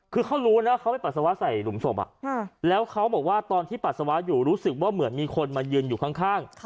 คือเขารู้นะเขาไปปัสสาวะใส่หลุมศพแล้วเขาบอกว่าตอนที่ปัสสาวะอยู่รู้สึกว่าเหมือนมีคนมายืนอยู่ข้าง